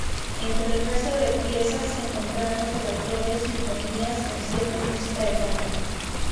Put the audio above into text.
Entre el resto de piezas encontramos oratorios, sinfonías, conciertos y música de cámara.